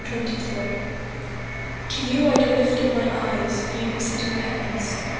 123:001 <> To you I do lift up my eyes, you who sit in the heavens.